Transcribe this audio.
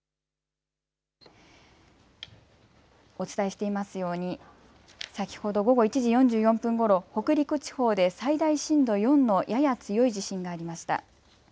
お伝えしていますように先ほど午後１時４４分ごろ、北陸地方で最大震度４のやや強い地震がありました。